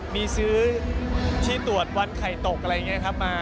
มีซื้อที่ตรวจวันไข่ตกอะไรอย่างนี้ครับมา